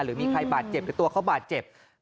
หรือมีใครบาดเจ็บหรือตัวเขาบาดเจ็บ